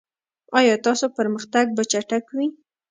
ایا ستاسو پرمختګ به چټک وي؟